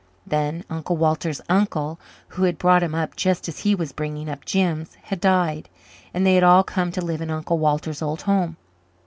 Then Uncle Walter's uncle who had brought him up just as he was bringing up Jims had died, and they had all come to live in Uncle Walter's old home.